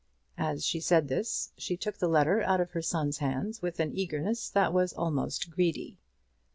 As she said this she took the letter out of her son's hands with an eagerness that was almost greedy.